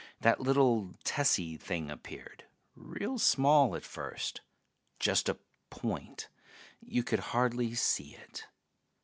That little tessy thing appeared, real small at first. Just a point; you could hardly see it.